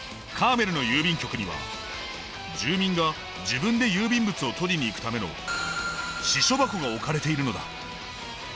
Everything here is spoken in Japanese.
カーメルの郵便局には住民が自分で郵便物を取りに行くための私書箱が置かれているのだ。